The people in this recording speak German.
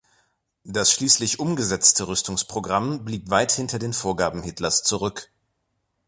Das schließlich umgesetzte Rüstungsprogramm blieb weit hinter den Vorgaben Hitlers zurück.